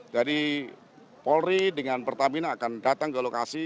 jadi polri dengan pertamina akan datang ke lokasi